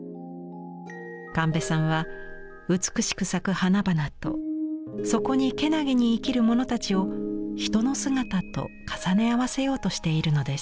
神戸さんは美しく咲く花々とそこにけなげに生きるものたちを人の姿と重ね合わせようとしているのです。